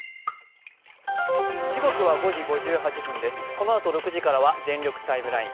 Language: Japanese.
このあと６時からは「全力ＴＩＭＥライン」。